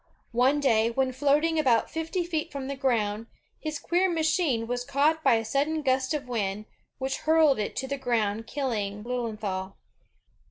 One day, when floating about fifty feet from the groimd, his queer machine was caught by a sudden gust of wind, which hurled it to the ground, killing Lilienthal.